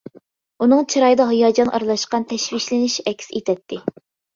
ئۇنىڭ چىرايىدا ھاياجان ئارىلاشقان تەشۋىشلىنىش ئەكس ئېتەتتى.